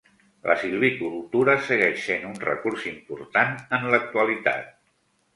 La silvicultura segueix sent un recurs important en l'actualitat.